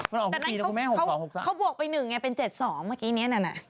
มันออกปีแล้วคุณแม่หกสองหกสามเขาบวกไปหนึ่งไงเป็นเจ็ดสองเมื่อกี้เนี้ยนั่นอ่ะ